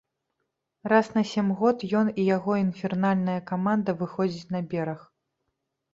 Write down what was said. Раз на сем год ён і яго інфернальная каманда выходзяць на бераг.